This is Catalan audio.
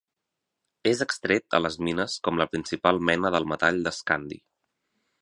És extret a les mines com la principal mena del metall d'escandi.